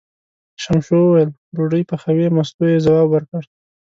ششمو وویل: ډوډۍ پخوې، مستو یې ځواب ورکړ.